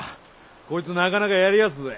こいつなかなかやりやすぜ。